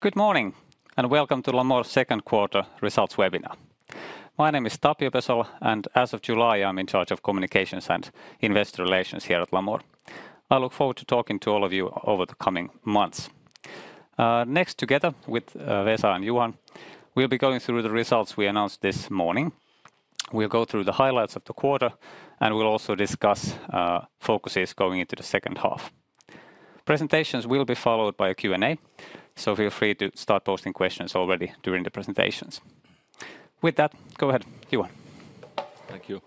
Good morning and welcome to Lamor's second quarter results webinar. My name is Tapio Pesola, and as of July, I'm in charge of communications and investor relations here at Lamor. I look forward to talking to all of you over the coming months. Next, together with Vesa and Johan, we'll be going through the results we announced this morning. We'll go through the highlights of the quarter, and we'll also discuss focuses going into the second half. Presentations will be followed by a Q&A, so feel free to start posting questions already during the presentations. With that, go ahead, Johan. Thank you.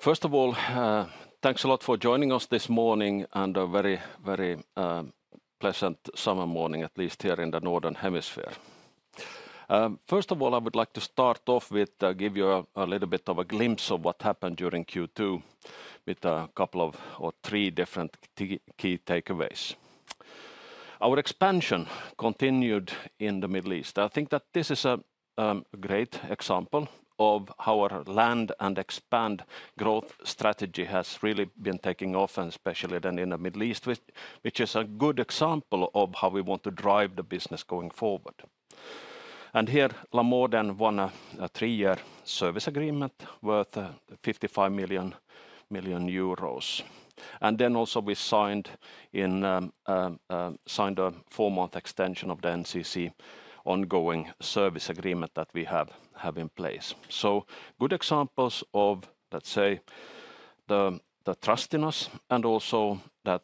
First of all, thanks a lot for joining us this morning and a very, very pleasant summer morning, at least here in the Northern Hemisphere. First of all, I would like to start off with giving you a little bit of a glimpse of what happened during Q2 with a couple of or three different key takeaways. Our expansion continued in the Middle East. I think that this is a great example of how our land and expand growth strategy has really been taking off, and especially then in the Middle East, which is a good example of how we want to drive the business going forward. And here, Lamor then won a three-year service agreement worth 55 million euros. And then also we signed a four-month extension of the NCEC ongoing service agreement that we have in place. So good examples of, let's say, the trust in us and also that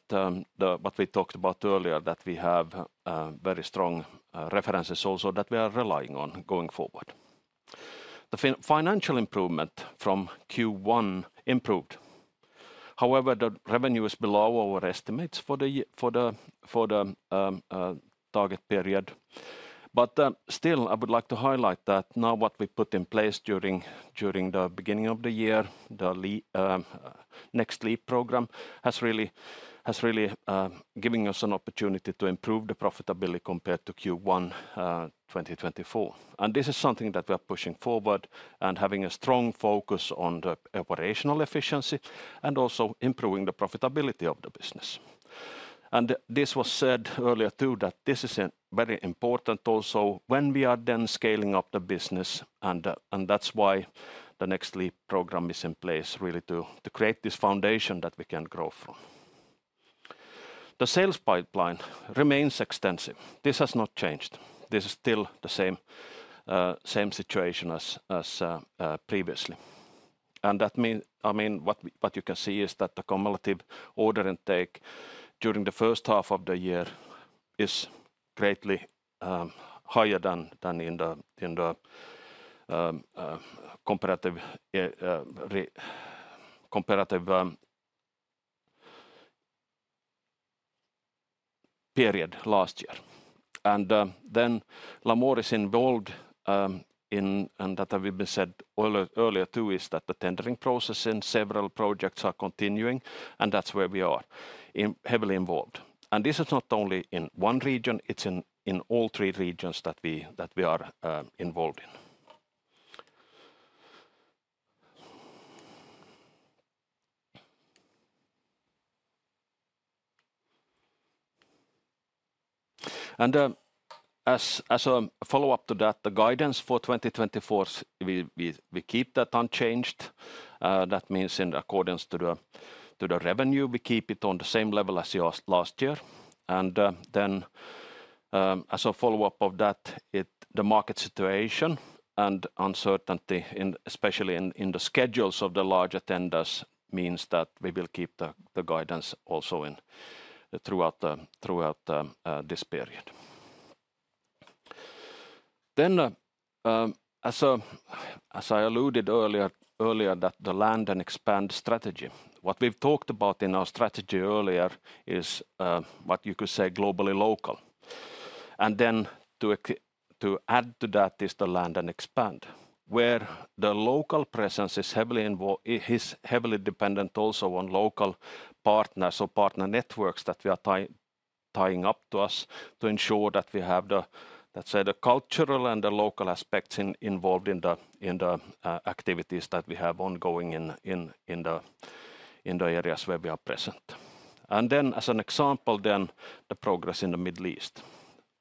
what we talked about earlier, that we have very strong references also that we are relying on going forward. The financial improvement from Q1 improved. However, the revenue is below our estimates for the target period. But still, I would like to highlight that now what we put in place during the beginning of the year, the Next Leap program, has really given us an opportunity to improve the profitability compared to Q1 2024. And this is something that we are pushing forward and having a strong focus on the operational efficiency and also improving the profitability of the business. This was said earlier too that this is very important also when we are then scaling up the business, and that's why the Next Leap program is in place really to create this foundation that we can grow from. The sales pipeline remains extensive. This has not changed. This is still the same situation as previously. And I mean, what you can see is that the cumulative order intake during the first half of the year is greatly higher than in the comparative period last year. And then Lamor is involved in, and that we said earlier too, is that the tendering process in several projects are continuing, and that's where we are heavily involved. And this is not only in one region, it's in all three regions that we are involved in. And as a follow-up to that, the guidance for 2024, we keep that unchanged. That means in accordance to the revenue, we keep it on the same level as last year. And then as a follow-up of that, the market situation and uncertainty, especially in the schedules of the larger tenders, means that we will keep the guidance also throughout this period. Then, as I alluded earlier, that the land and expand strategy, what we've talked about in our strategy earlier is what you could say globally local. And then to add to that is the land and expand, where the local presence is heavily dependent also on local partners or partner networks that we are tying up to us to ensure that we have the, let's say, the cultural and the local aspects involved in the activities that we have ongoing in the areas where we are present. And then as an example, then the progress in the Middle East.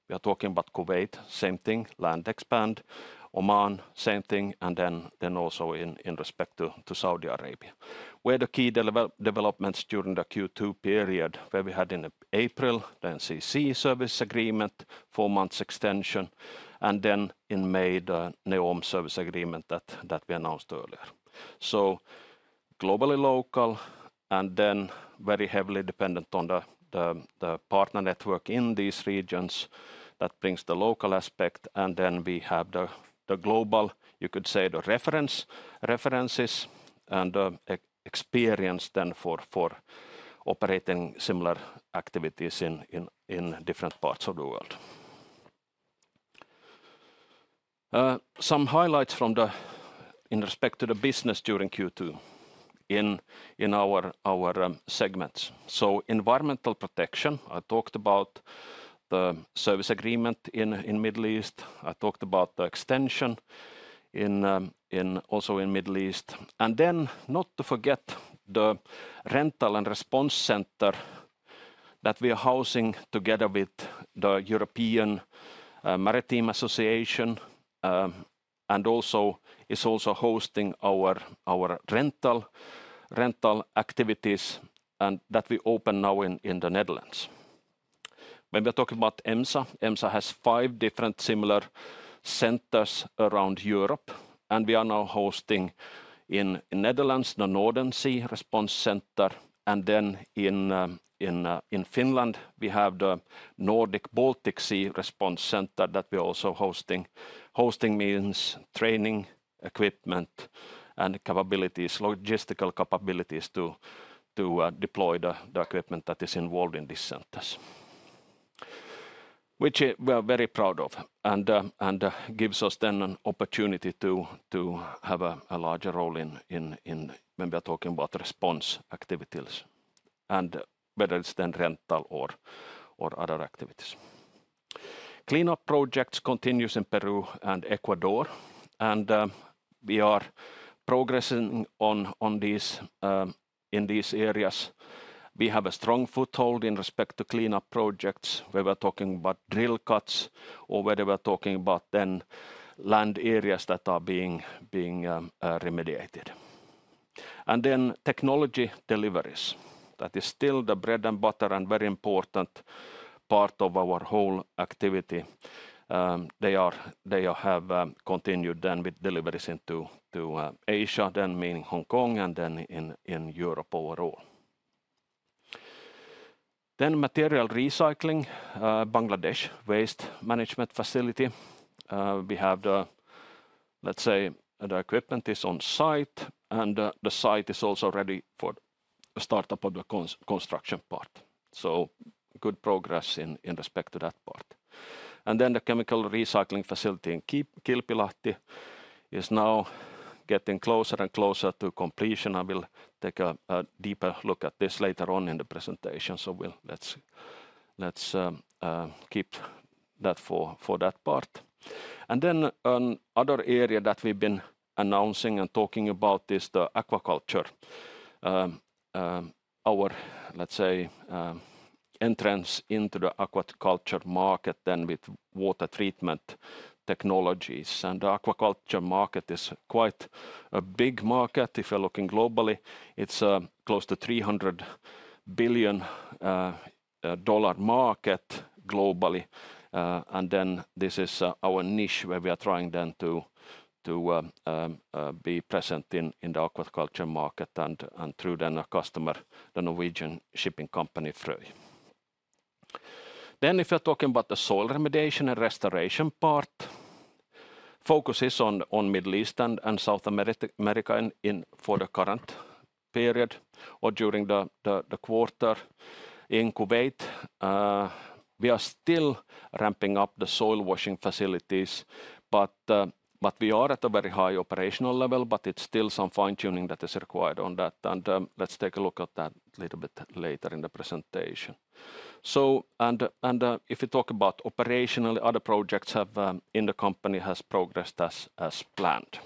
We are talking about Kuwait, same thing, land expand. Oman, same thing, and then also in respect to Saudi Arabia, where the key developments during the Q2 period, where we had in April the NCEC service agreement, four-month extension, and then in May the NEOM service agreement that we announced earlier. So globally local, and then very heavily dependent on the partner network in these regions that brings the local aspect. And then we have the global, you could say the references and the experience then for operating similar activities in different parts of the world. Some highlights in respect to the business during Q2 in our segments. So environmental protection, I talked about the service agreement in the Middle East. I talked about the extension also in the Middle East. And then not to forget the rental and response center that we are housing together with the European Maritime Safety Agency and also is also hosting our rental activities and that we open now in the Netherlands. When we are talking about EMSA, EMSA has five different similar centers around Europe, and we are now hosting in the Netherlands the North Sea Response Center, and then in Finland we have the Nordic Baltic Sea Response Center that we are also hosting. Hosting means training equipment and capabilities, logistical capabilities to deploy the equipment that is involved in these centers, which we are very proud of and gives us then an opportunity to have a larger role when we are talking about response activities, and whether it's then rental or other activities. Cleanup projects continue in Peru and Ecuador, and we are progressing in these areas. We have a strong foothold in respect to cleanup projects where we are talking about drill cuts or where we are talking about then land areas that are being remediated. Then technology deliveries, that is still the bread and butter and very important part of our whole activity. They have continued then with deliveries into Asia, then meaning Hong Kong and then in Europe overall. Then material recycling, Bangladesh Waste Management Facility. We have the, let's say, the equipment is on site and the site is also ready for the startup of the construction part. Good progress in respect to that part. Then the chemical recycling facility in Kilpilahti is now getting closer and closer to completion. I will take a deeper look at this later on in the presentation, so let's keep that for that part. Then another area that we've been announcing and talking about is the aquaculture, our, let's say, entrance into the aquaculture market then with water treatment technologies. The aquaculture market is quite a big market. If you're looking globally, it's close to $300 billion market globally. Then this is our niche where we are trying then to be present in the aquaculture market and through then a customer, the Norwegian Shipping Company Frøy. Then if you're talking about the soil remediation and restoration part, focus is on Middle East and South America for the current period or during the quarter. In Kuwait, we are still ramping up the soil washing facilities, but we are at a very high operational level, but it's still some fine-tuning that is required on that. Let's take a look at that a little bit later in the presentation. If you talk about operationally, other projects in the company have progressed as planned.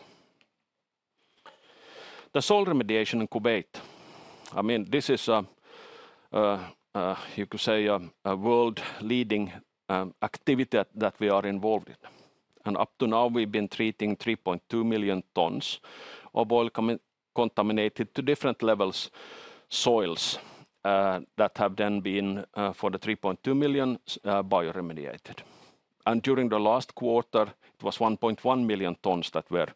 The soil remediation in Kuwait, I mean, this is, you could say, a world-leading activity that we are involved in. Up to now, we've been treating 3.2 million tons of oil contaminated to different levels soils that have then been for the 3.2 million bioremediated. During the last quarter, it was 1.1 million tons that were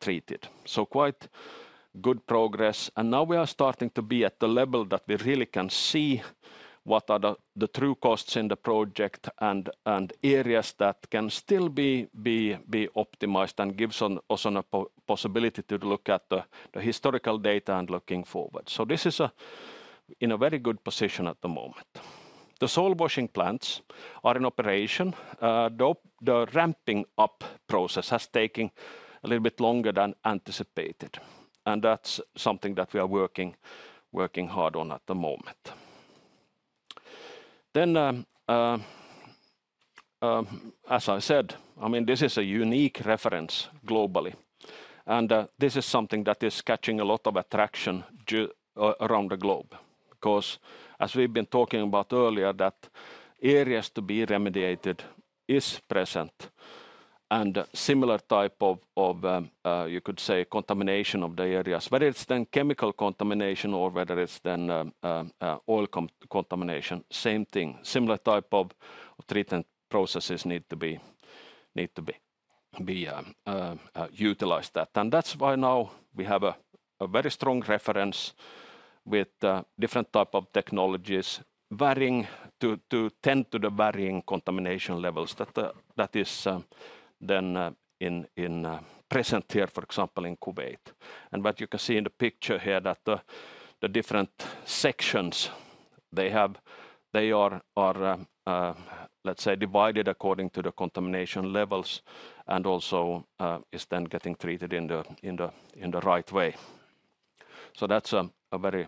treated. So quite good progress. Now we are starting to be at the level that we really can see what are the true costs in the project and areas that can still be optimized and gives us a possibility to look at the historical data and looking forward. So this is in a very good position at the moment. The soil washing plants are in operation. The ramping-up process has taken a little bit longer than anticipated. That's something that we are working hard on at the moment. As I said, I mean, this is a unique reference globally. This is something that is catching a lot of attraction around the globe because, as we've been talking about earlier, that areas to be remediated is present and similar type of, you could say, contamination of the areas, whether it's then chemical contamination or whether it's then oil contamination, same thing. Similar type of treatment processes need to be utilized that. That's why now we have a very strong reference with different type of technologies to tend to the varying contamination levels that is then present here, for example, in Kuwait. What you can see in the picture here, that the different sections, they are, let's say, divided according to the contamination levels and also is then getting treated in the right way. That's a very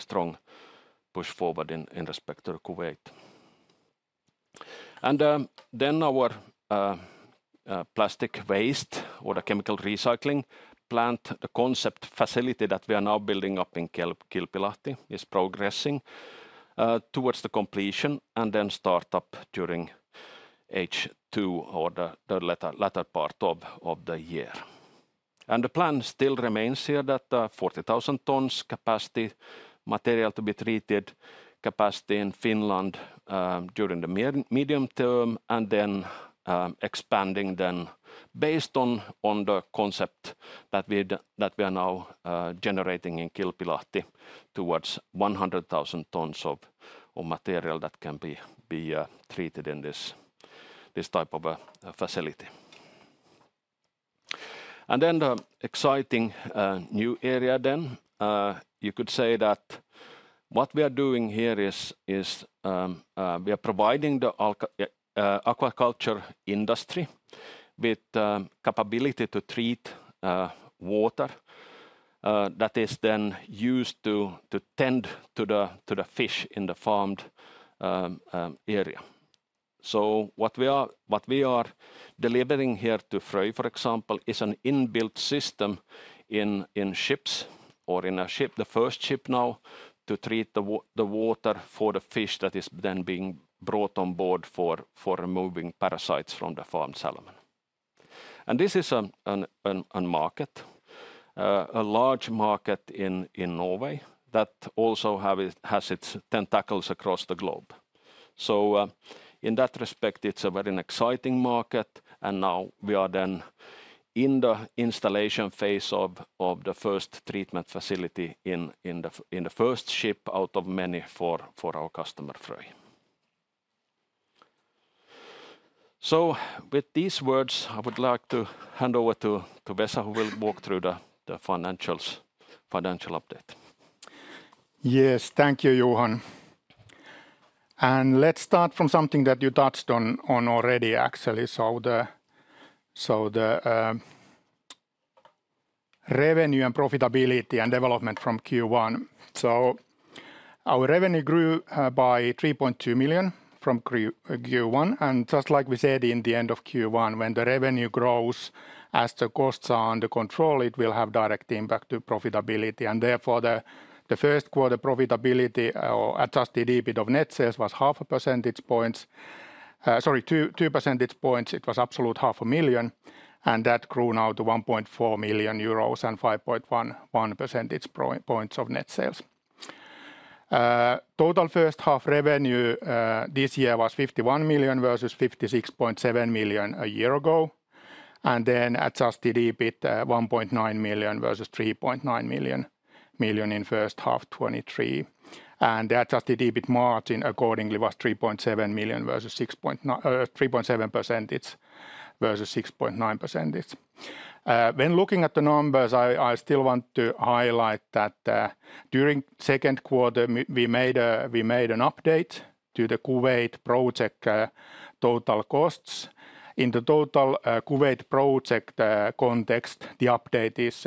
strong push forward in respect to Kuwait. Our plastic waste or the chemical recycling plant, the concept facility that we are now building up in Kilpilahti is progressing towards the completion and then startup during H2 or the latter part of the year. The plan still remains here that 40,000 tons capacity material to be treated capacity in Finland during the medium term and then expanding then based on the concept that we are now generating in Kilpilahti towards 100,000 tons of material that can be treated in this type of facility. And then the exciting new area then, you could say that what we are doing here is we are providing the aquaculture industry with the capability to treat water that is then used to tend to the fish in the farmed area. So what we are delivering here to Frøy, for example, is an inbuilt system in ships or in a ship, the first ship now to treat the water for the fish that is then being brought on board for removing parasites from the farmed salmon. And this is a market, a large market in Norway that also has its tentacles across the globe. So in that respect, it's a very exciting market. And now we are then in the installation phase of the first treatment facility in the first ship out of many for our customer Frøy. So with these words, I would like to hand over to Vesa, who will walk through the financial update. Yes, thank you, Johan. And let's start from something that you touched on already, actually. So the revenue and profitability and development from Q1. So our revenue grew by 3.2 million from Q1. And just like we said in the end of Q1, when the revenue grows, as the costs are under control, it will have direct impact to profitability. And therefore, the first quarter profitability or adjusted EBITDA of net sales was half a percentage point. Sorry, 2 percentage points, it was absolute 500,000. And that grew now to 1.4 million euros and 5.1 percentage points of net sales. Total first half revenue this year was 51 million versus 56.7 million a year ago. And then adjusted EBIT, 1.9 million versus 3.9 million in first half 2023. The adjusted EBIT margin accordingly was 3.7 million versus 3.7% versus 6.9%. When looking at the numbers, I still want to highlight that during second quarter, we made an update to the Kuwait project total costs. In the total Kuwait project context, the update is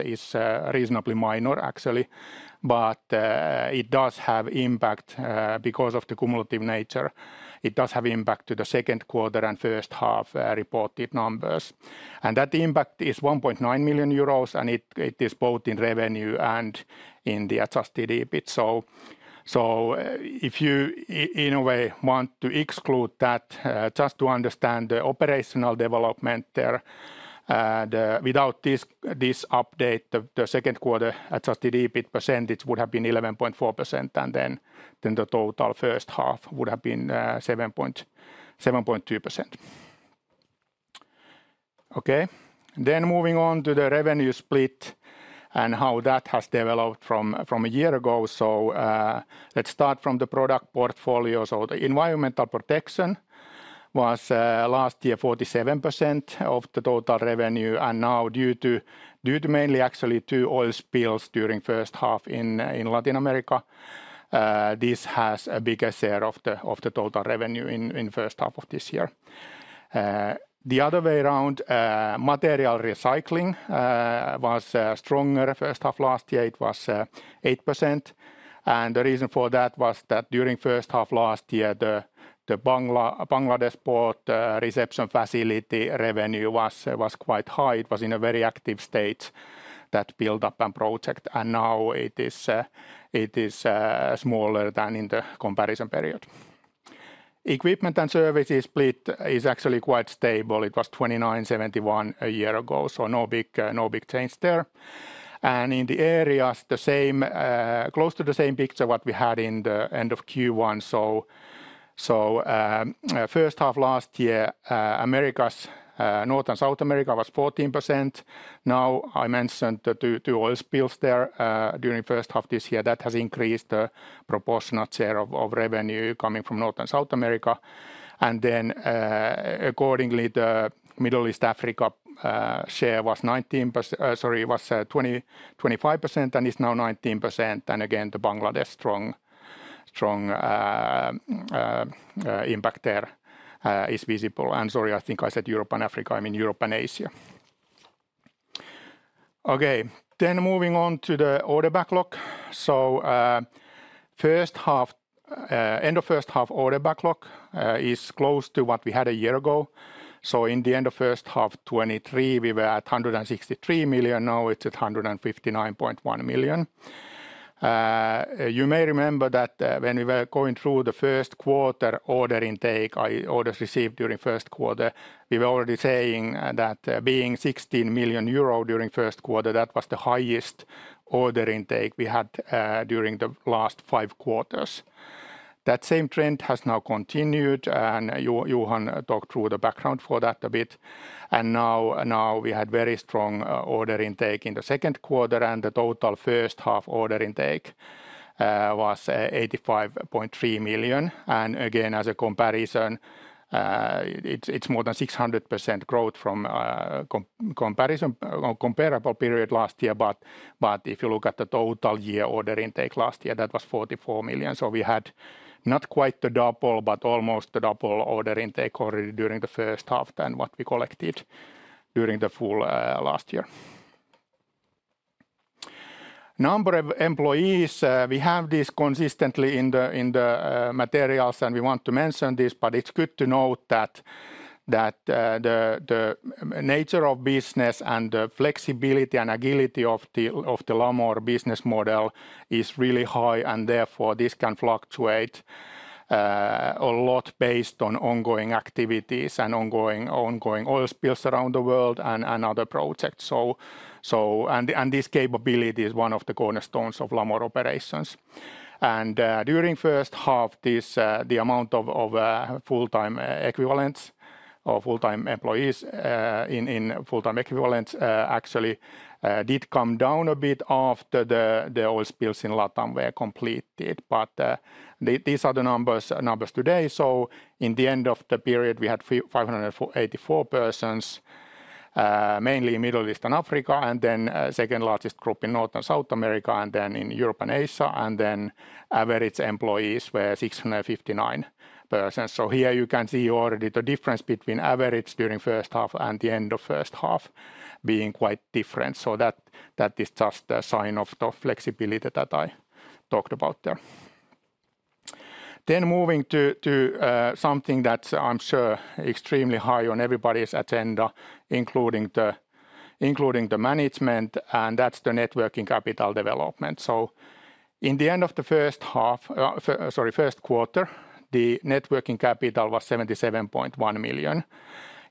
reasonably minor, actually, but it does have impact because of the cumulative nature. It does have impact to the second quarter and first half reported numbers. And that impact is 1.9 million euros, and it is both in revenue and in the adjusted EBIT. So if you in a way want to exclude that, just to understand the operational development there, without this update, the second quarter adjusted EBIT percentage would have been 11.4%, and then the total first half would have been 7.2%. Okay, then moving on to the revenue split and how that has developed from a year ago. Let's start from the product portfolio. The environmental protection was last year 47% of the total revenue. Now, due to mainly actually two oil spills during first half in Latin America, this has a bigger share of the total revenue in first half of this year. The other way around, material recycling was stronger. First half last year, it was 8%. The reason for that was that during first half last year, the Bangladesh Port Reception Facility revenue was quite high. It was in a very active stage that buildup and project. Now it is smaller than in the comparison period. Equipment and services split is actually quite stable. It was 29%-71% a year ago. No big change there. In the areas, close to the same picture what we had in the end of Q1. So first half last year, North and South America was 14%. Now I mentioned the two oil spills there during first half this year. That has increased the proportionate share of revenue coming from North and South America. And then accordingly, the Middle East Africa share was 25% and is now 19%. And again, the Bangladesh strong impact there is visible. And sorry, I think I said Europe and Africa, I mean Europe and Asia. Okay, then moving on to the order backlog. So end of first half order backlog is close to what we had a year ago. So in the end of first half 2023, we were at 163 million. Now it's at 159.1 million. You may remember that when we were going through the first quarter order intake, orders received during first quarter, we were already saying that being 16 million euro during first quarter, that was the highest order intake we had during the last five quarters. That same trend has now continued. Johan talked through the background for that a bit. Now we had very strong order intake in the second quarter. The total first half order intake was 85.3 million. Again, as a comparison, it's more than 600% growth from comparable period last year. But if you look at the total year order intake last year, that was 44 million. So we had not quite the double, but almost the double order intake already during the first half than what we collected during the full last year. Number of employees, we have this consistently in the materials, and we want to mention this, but it's good to note that the nature of business and the flexibility and agility of the Lamor Business Model is really high. Therefore, this can fluctuate a lot based on ongoing activities and ongoing oil spills around the world and other projects. And this capability is one of the cornerstones of Lamor operations. And during first half, the amount of full-time equivalents or full-time employees in full-time equivalents actually did come down a bit after the oil spills in LATAM were completed. But these are the numbers today. So in the end of the period, we had 584 persons, mainly in Middle East and Africa, and then second largest group in North and South America, and then in Europe and Asia. And then average employees were 659 persons. So here you can see already the difference between average during first half and the end of first half being quite different. So that is just a sign of the flexibility that I talked about there. Then moving to something that I'm sure extremely high on everybody's agenda, including the management, and that's the net working capital development. So in the end of the first half, sorry, first quarter, the net working capital was 77.1 million.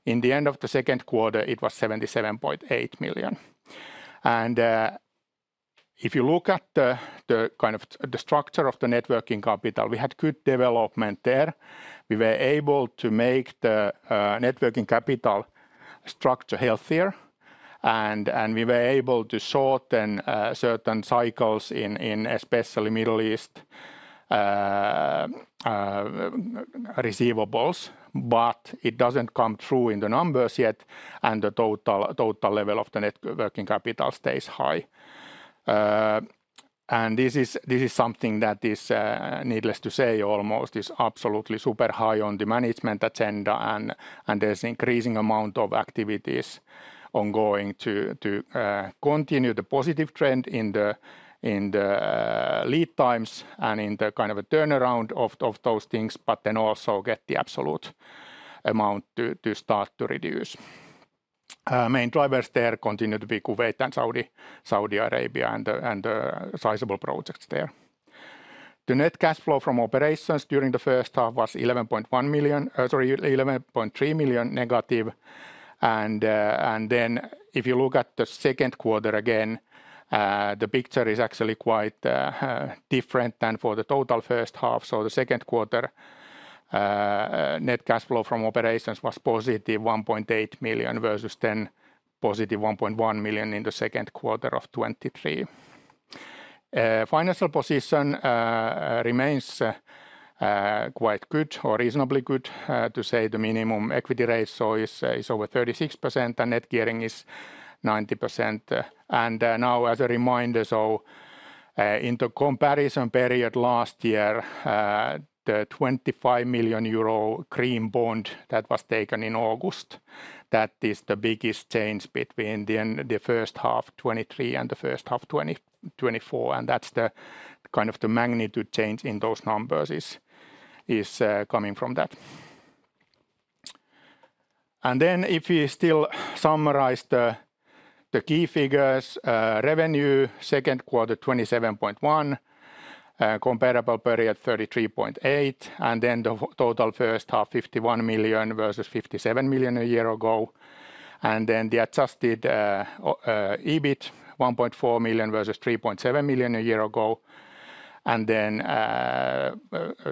In the end of the second quarter, it was 77.8 million. And if you look at the kind of the structure of the net working capital, we had good development there. We were able to make the net working capital structure healthier. And we were able to shorten certain cycles in especially Middle East receivables. But it doesn't come through in the numbers yet. And the total level of the net working capital stays high. This is something that is needless to say almost is absolutely super high on the management agenda. There's an increasing amount of activities ongoing to continue the positive trend in the lead times and in the kind of a turnaround of those things, but then also get the absolute amount to start to reduce. Main drivers there continue to be Kuwait and Saudi Arabia and the sizable projects there. The net cash flow from operations during the first half was 11.1 million, sorry, negative 11.3 million. Then if you look at the second quarter again, the picture is actually quite different than for the total first half. The second quarter net cash flow from operations was positive 1.8 million versus then positive 1.1 million in the second quarter of 2023. Financial position remains quite good or reasonably good to say the minimum equity ratio is over 36% and net gearing is 90%. Now as a reminder, so in the comparison period last year, the 25 million euro green bond that was taken in August, that is the biggest change between the first half 2023 and the first half 2024. That's the kind of the magnitude change in those numbers is coming from that. Then if you still summarize the key figures, revenue second quarter 27.1 million, comparable period 33.8 million, and then the total first half 51 million versus 57 million a year ago. Then the adjusted EBIT 1.4 million versus 3.7 million a year ago. Then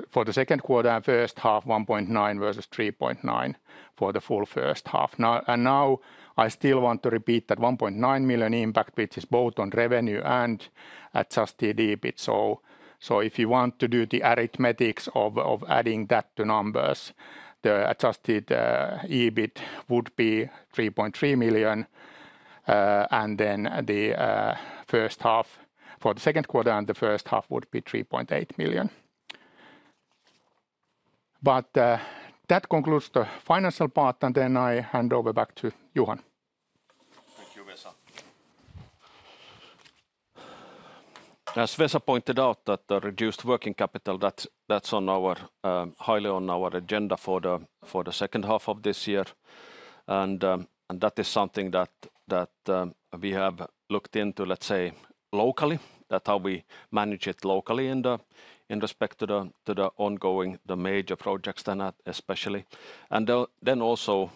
for the second quarter and first half 1.9 million versus 3.9 million for the full first half. And now I still want to repeat that 1.9 million impact which is both on revenue and adjusted EBIT. So if you want to do the arithmetic of adding that to numbers, the adjusted EBIT would be 3.3 million. And then the first half for the second quarter and the first half would be 3.8 million. But that concludes the financial part, and then I hand over back to Johan. Thank you, Vesa. As Vesa pointed out, that the reduced working capital, that's highly on our agenda for the second half of this year. And that is something that we have looked into, let's say, locally, that how we manage it locally in respect to the ongoing, the major projects that especially. And then also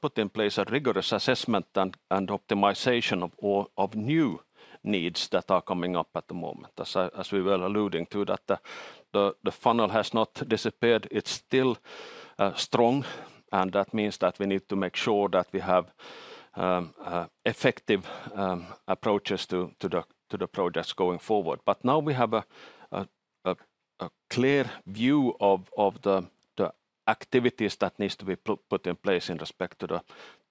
put in place a rigorous assessment and optimization of new needs that are coming up at the moment. As we were alluding to, that the funnel has not disappeared. It's still strong. And that means that we need to make sure that we have effective approaches to the projects going forward. But now we have a clear view of the activities that needs to be put in place in respect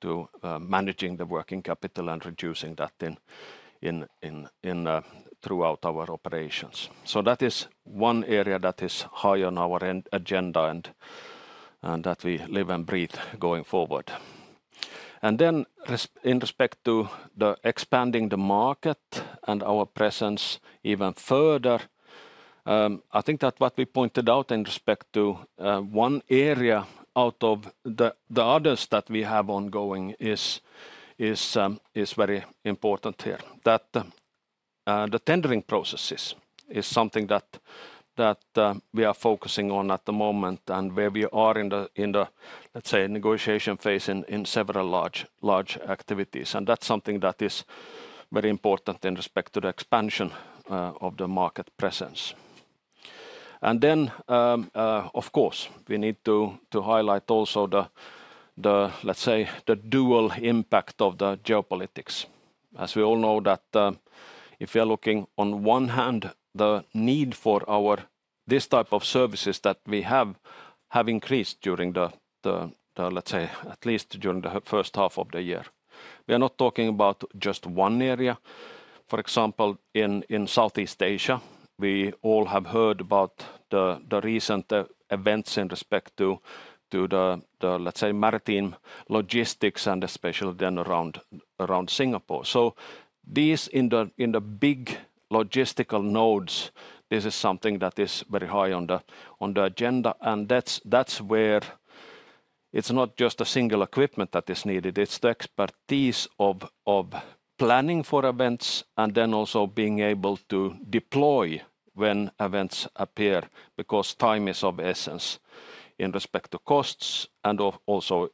to managing the working capital and reducing that throughout our operations. So that is one area that is high on our agenda and that we live and breathe going forward. And then in respect to the expanding the market and our presence even further, I think that what we pointed out in respect to one area out of the others that we have ongoing is very important here. That the tendering processes is something that we are focusing on at the moment and where we are in the, let's say, negotiation phase in several large activities. That's something that is very important in respect to the expansion of the market presence. Then, of course, we need to highlight also the, let's say, the dual impact of the geopolitics. As we all know, that if you're looking on one hand, the need for our this type of services that we have increased during the, let's say, at least during the first half of the year. We are not talking about just one area. For example, in Southeast Asia, we all have heard about the recent events in respect to the, let's say, maritime logistics and especially then around Singapore. So these in the big logistical nodes, this is something that is very high on the agenda. And that's where it's not just a single equipment that is needed. It's the expertise of planning for events and then also being able to deploy when events appear because time is of essence in respect to costs and also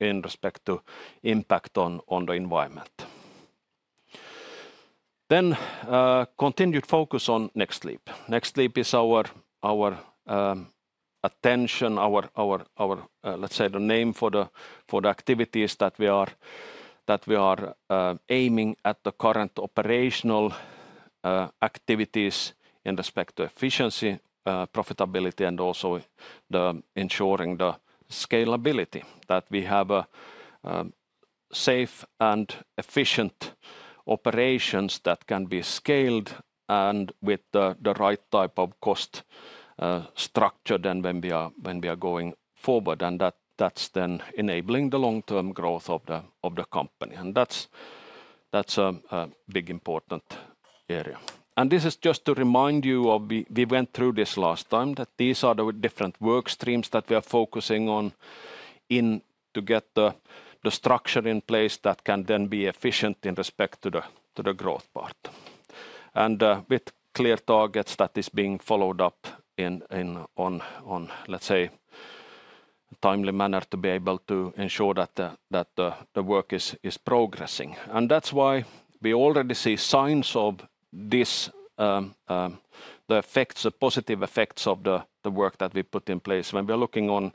in respect to impact on the environment. Then continued focus on Next Leap. Next Leap is our attention, let's say, the name for the activities that we are aiming at the current operational activities in respect to efficiency, profitability, and also ensuring the scalability that we have safe and efficient operations that can be scaled and with the right type of cost structure than when we are going forward. And that's then enabling the long-term growth of the company. And that's a big important area. And this is just to remind you of we went through this last time that these are the different work streams that we are focusing on in. To get the structure in place that can then be efficient in respect to the growth part. With clear targets that is being followed up on, let's say, a timely manner to be able to ensure that the work is progressing. That's why we already see signs of this, the effects, the positive effects of the work that we put in place when we are looking on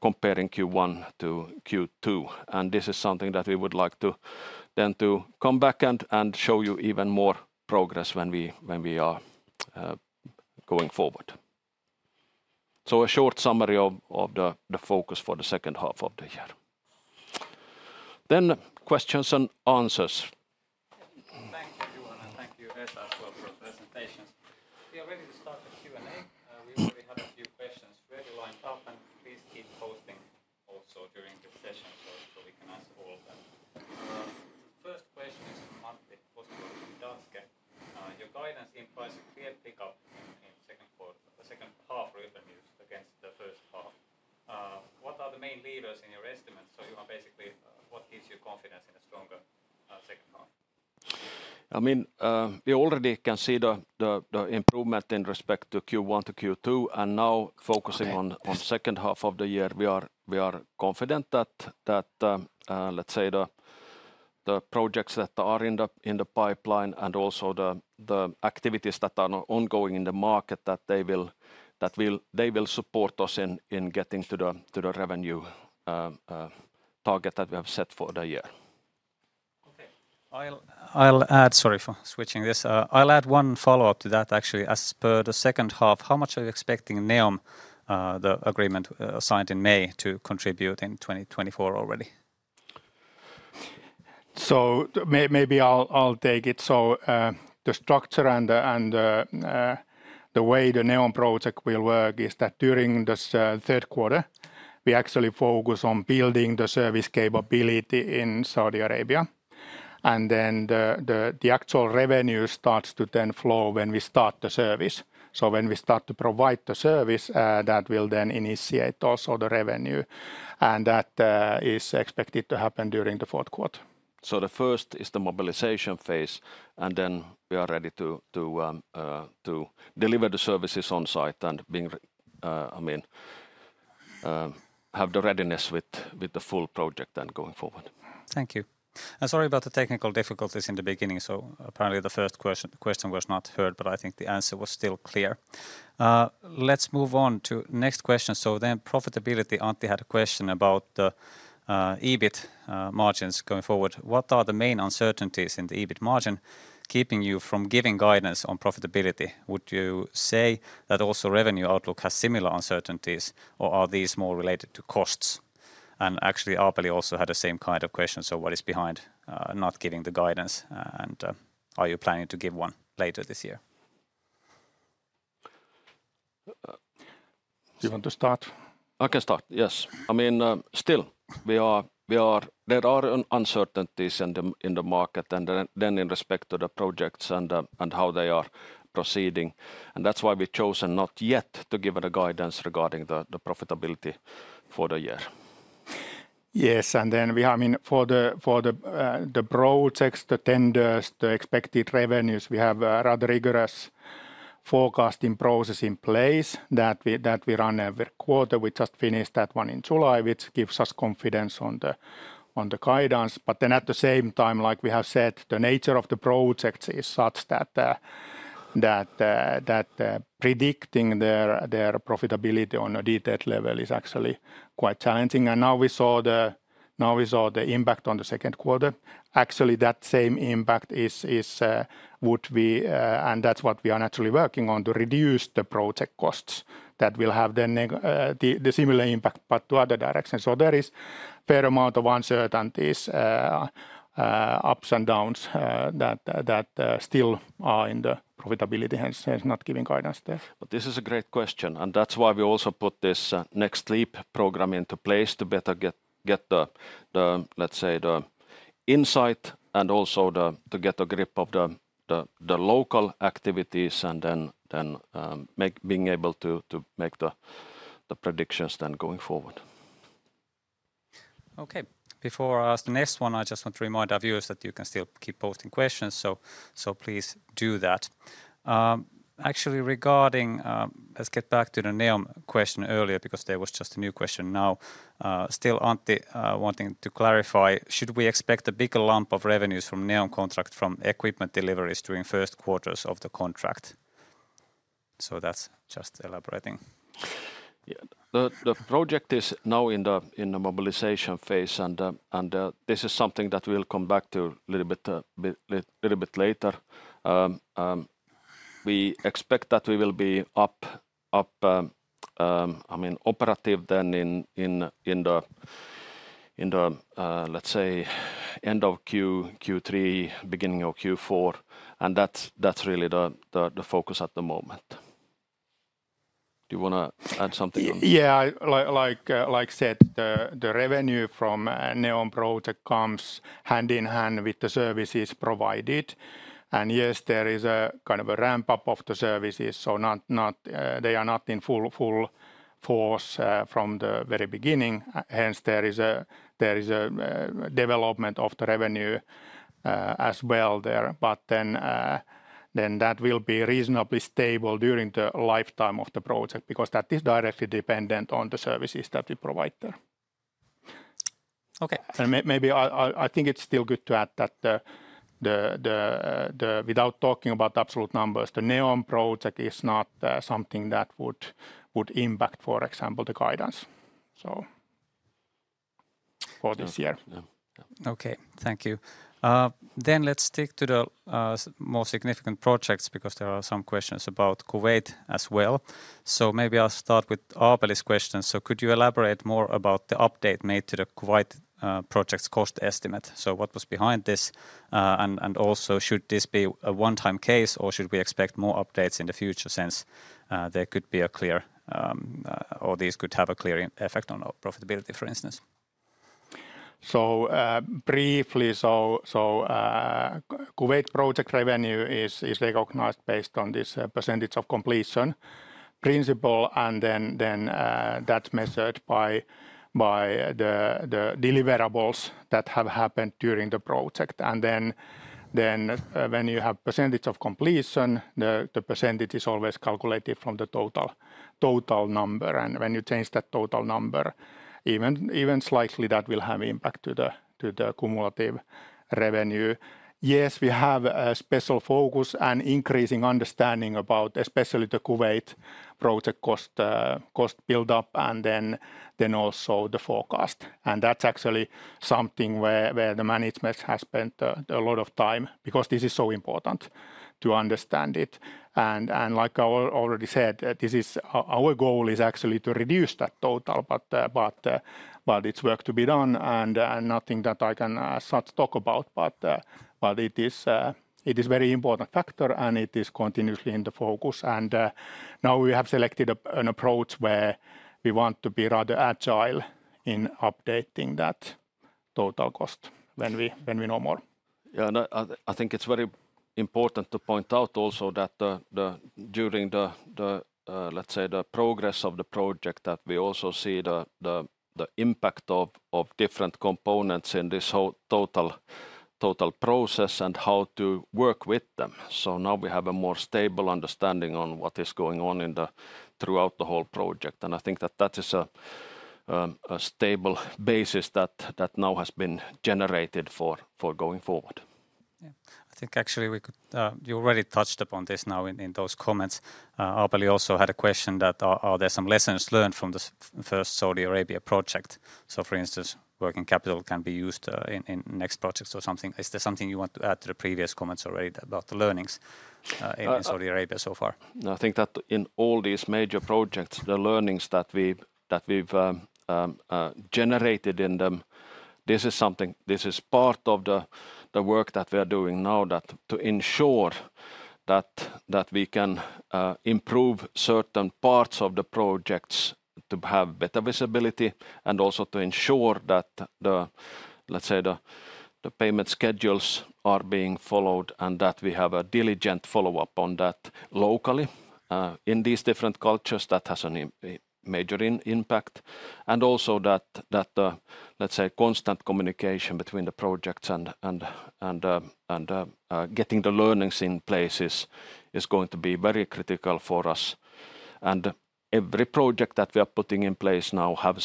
comparing Q1 to Q2. This is something that we would like to then come back and show you even more progress when we are going forward. A short summary of the focus for the second half of the year. Then questions and answers. Thank you, Johan. And thank you, Vesa, for the presentations. We are ready to start the Q&A. We already had a few questions ready lined up, and please keep posting also during the session so we can answer all of them. The first question is from Matti Koskelainen. Your guidance implies a clear pickup in the second half revenues against the first half. What are the main levers in your estimates? So you have basically, what gives you confidence in a stronger second half? I mean, we already can see the improvement in respect to Q1 to Q2. Now focusing on the second half of the year, we are confident that, let's say, the projects that are in the pipeline and also the activities that are ongoing in the market, that they will support us in getting to the revenue target that we have set for the year. Okay. I'll add, sorry for switching this. I'll add one follow-up to that, actually. As per the second half, how much are you expecting NEOM, the agreement signed in May, to contribute in 2024 already? So maybe I'll take it. So the structure and the way the NEOM project will work is that during the third quarter, we actually focus on building the service capability in Saudi Arabia. And then the actual revenue starts to then flow when we start the service. So when we start to provide the service, that will then initiate also the revenue. And that is expected to happen during the fourth quarter. So the first is the mobilization phase. And then we are ready to deliver the services on site and, I mean, have the readiness with the full project then going forward. Thank you. And sorry about the technical difficulties in the beginning. Apparently the first question was not heard, but I think the answer was still clear. Let's move on to the next question. Profitability, Antti had a question about the EBIT margins going forward. What are the main uncertainties in the EBIT margin keeping you from giving guidance on profitability? Would you say that also revenue outlook has similar uncertainties, or are these more related to costs? Actually, Aapeli also had the same kind of question. What is behind not giving the guidance? And are you planning to give one later this year? You want to start? I can start, yes. I mean, still, there are uncertainties in the market and then in respect to the projects and how they are proceeding. That's why we've chosen not yet to give the guidance regarding the profitability for the year. Yes. And then we have for the projects, the tenders, the expected revenues, we have a rigorous forecasting process in place that we run every quarter. We just finished that one in July, which gives us confidence on the guidance. But then at the same time, like we have said, the nature of the projects is such that predicting their profitability on a detailed level is actually quite challenging. And now we saw the impact on the second quarter. Actually, that same impact is what we, and that's what we are naturally working on to reduce the project costs that will have the similar impact, but to other directions. So there is a fair amount of uncertainties, ups and downs that still are in the profitability and not giving guidance there. But this is a great question. And that's why we also put this NextLeap program into place to better get the, let's say, the insight and also to get a grip of the local activities and then being able to make the predictions then going forward. Okay. Before I ask the next one, I just want to remind our viewers that you can still keep posting questions. So please do that. Actually, regarding, let's get back to the NEOM question earlier because there was just a new question now. Still, Antti wanting to clarify, should we expect a bigger lump of revenues from NEOM contract from equipment deliveries during first quarters of the contract? So that's just elaborating. The project is now in the mobilization phase. And this is something that we'll come back to a little bit later. We expect that we will be up, I mean, operative then in the, let's say, end of Q3, beginning of Q4. And that's really the focus at the moment. Do you want to add something on that? Yeah, like said, the revenue from NEOM project comes hand in hand with the services provided. And yes, there is a kind of a ramp-up of the services. So they are not in full force from the very beginning. Hence, there is a development of the revenue as well there. But then that will be reasonably stable during the lifetime of the project because that is directly dependent on the services that we provide there. Okay. Maybe I think it's still good to add that without talking about absolute numbers, the NEOM project is not something that would impact, for example, the guidance for this year. Okay. Thank you. Then let's stick to the more significant projects because there are some questions about Kuwait as well. So maybe I'll start with Aapeli's question. So could you elaborate more about the update made to the Kuwait project's cost estimate? So what was behind this? And also, should this be a one-time case, or should we expect more updates in the future since there could be a clear, or these could have a clear effect on profitability, for instance? So briefly, so Kuwait project revenue is recognized based on this percentage of completion principle, and then that's measured by the deliverables that have happened during the project. And then when you have a percentage of completion, the percentage is always calculated from the total number. And when you change that total number, even slightly, that will have impact to the cumulative revenue. Yes, we have a special focus and increasing understanding about especially the Kuwait project cost build-up and then also the forecast. That's actually something where the management has spent a lot of time because this is so important to understand it. Like I already said, our goal is actually to reduce that total, but it's work to be done and nothing that I can talk about. It is a very important factor, and it is continuously in the focus. Now we have selected an approach where we want to be rather agile in updating that total cost when we know more. Yeah, I think it's very important to point out also that during the, let's say, the progress of the project, that we also see the impact of different components in this total process and how to work with them. So now we have a more stable understanding on what is going on throughout the whole project. And I think that that is a stable basis that now has been generated for going forward. Yeah, I think actually we could; you already touched upon this now in those comments. Aapeli also had a question: are there some lessons learned from the first Saudi Arabia project? So for instance, working capital can be used in next projects or something. Is there something you want to add to the previous comments already about the learnings in Saudi Arabia so far? I think that in all these major projects, the learnings that we've generated in them, this is part of the work that we are doing now to ensure that we can improve certain parts of the projects to have better visibility and also to ensure that the, let's say, the payment schedules are being followed and that we have a diligent follow-up on that locally in these different cultures. That has a major impact. And also that, let's say, constant communication between the projects and getting the learnings in place is going to be very critical for us. And every project that we are putting in place now has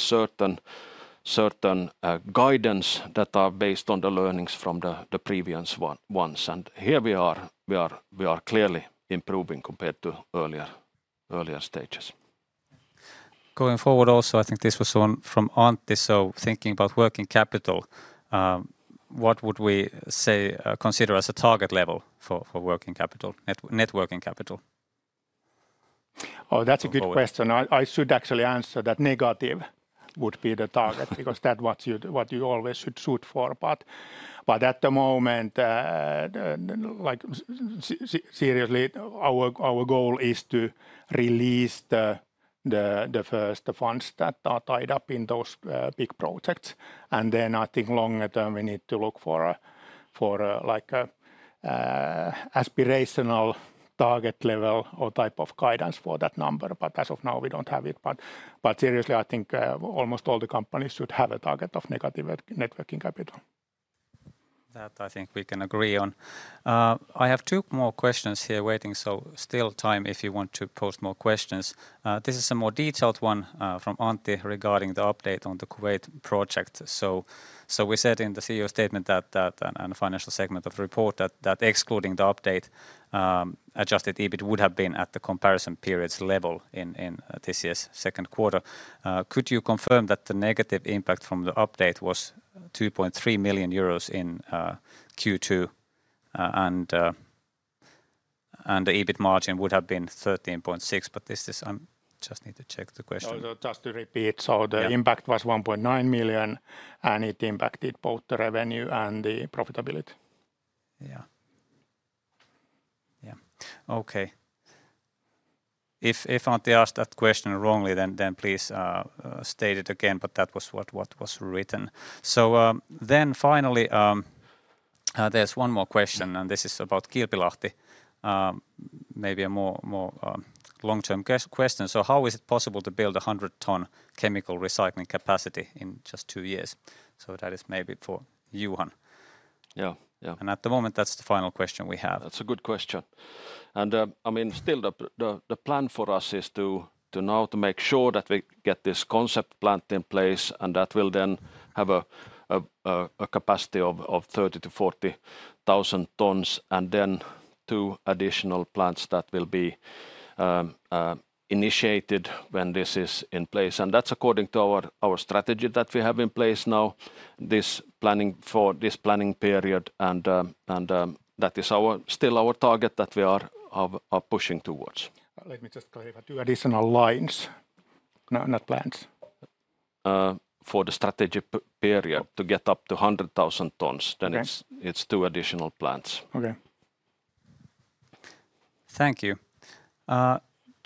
certain guidance that are based on the learnings from the previous ones. And here we are clearly improving compared to earlier stages. Going forward also, I think this was one from Antti. So, thinking about working capital, what would we say consider as a target level for working capital, net working capital? Oh, that's a good question. I should actually answer that negative would be the target because that's what you always should shoot for. But at the moment, seriously, our goal is to release the first funds that are tied up in those big projects. Then I think longer term we need to look for an aspirational target level or type of guidance for that number. But as of now, we don't have it. But seriously, I think almost all the companies should have a target of negative net working capital. That I think we can agree on. I have two more questions here waiting. Still time if you want to post more questions. This is a more detailed one from Antti regarding the update on the Kuwait project. So we said in the CEO statement and the financial segment of the report that excluding the update, adjusted EBIT would have been at the comparison period's level in this year's second quarter. Could you confirm that the negative impact from the update was 2.3 million euros in Q2 and the EBIT margin would have been 13.6%? But this is, I just need to check the question. Just to repeat, so the impact was 1.9 million and it impacted both the revenue and the profitability. Yeah. Yeah. Okay. If Antti asked that question wrongly, then please state it again, but that was what was written. So then finally, there's one more question, and this is about Kilpilahti. Maybe a more long-term question. So how is it possible to build a 100-ton chemical recycling capacity in just two years? So that is maybe for Johan. Yeah, yeah. At the moment, that's the final question we have. That's a good question. I mean, still the plan for us is now to make sure that we get this concept plant in place and that will then have a capacity of 30,000-40,000 tonnes and then two additional plants that will be initiated when this is in place. That's according to our strategy that we have in place now, this planning for this planning period. That is still our target that we are pushing towards. Let me just clarify two additional lines. Not plans. For the strategy period to get up to 100,000 tonnes, then it's two additional plants. Okay. Thank you.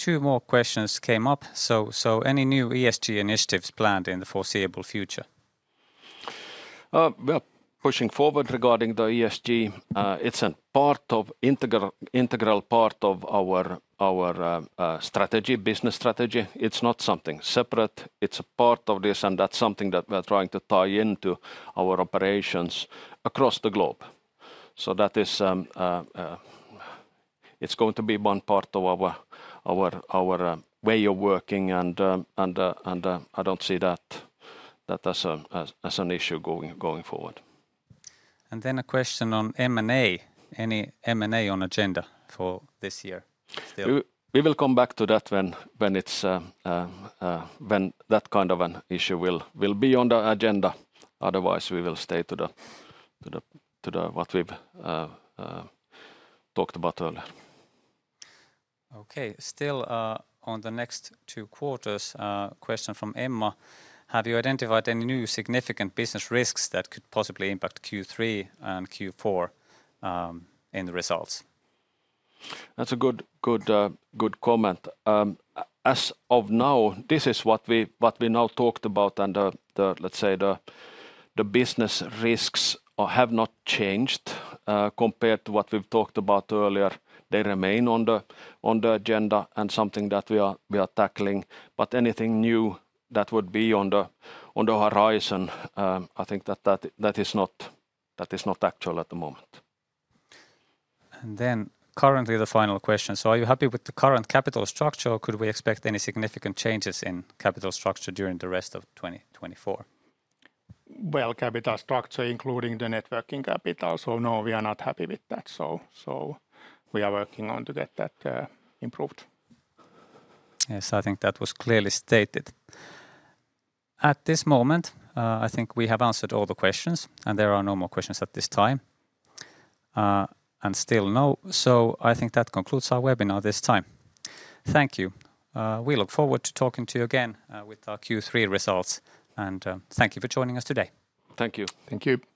Two more questions came up. So any new ESG initiatives planned in the foreseeable future? We are pushing forward regarding the ESG. It's an integral part of our strategy, business strategy. It's not something separate. It's a part of this, and that's something that we are trying to tie into our operations across the globe. So that is, it's going to be one part of our way of working, and I don't see that as an issue going forward. And then a question on M&A. Any M&A on agenda for this year? We will come back to that when that kind of an issue will be on the agenda. Otherwise, we will stay to what we've talked about earlier. Okay. Still on the next two quarters, question from Emma. Have you identified any new significant business risks that could possibly impact Q3 and Q4 in the results? That's a good comment. As of now, this is what we now talked about, and let's say the business risks have not changed compared to what we've talked about earlier. They remain on the agenda and something that we are tackling. But anything new that would be on the horizon, I think that is not actual at the moment. And then currently the final question. So are you happy with the current capital structure, or could we expect any significant changes in capital structure during the rest of 2024? Well, capital structure, including the net working capital. So no, we are not happy with that. So we are working on to get that improved. Yes, I think that was clearly stated. At this moment, I think we have answered all the questions, and there are no more questions at this time. And still no. So I think that concludes our webinar this time. Thank you. We look forward to talking to you again with our Q3 results. And thank you for joining us today. Thank you. Thank you.